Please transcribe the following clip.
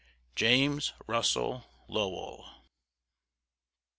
JAMES RUSSELL LOWELL.